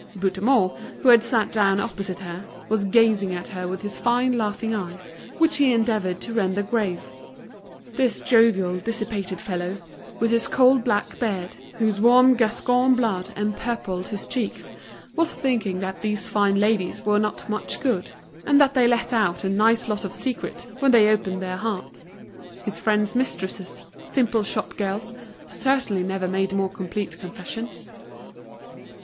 Bouthemont, who had sat down opposite her, was gazing at her with his fine laughing eyes, which he endeavoured to render grave. This jovial, dissipated fellow, with his coal black beard, whose warm Gascon blood empurpled his cheeks, was thinking that these fine ladies were not much good, and that they let out a nice lot of secrets, when they opened their hearts. His friend's mistresses, simple shop girls, certainly never made more complete confessions.